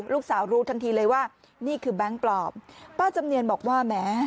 ลูกสาวรู้ทันทีเลยว่านี่คือแบงค์ปลอมป้าจำเนียนบอกว่าแหม